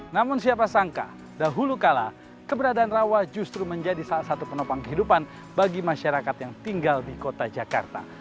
namun siapa sangka dahulu kala keberadaan rawa justru menjadi salah satu penopang kehidupan bagi masyarakat yang tinggal di kota jakarta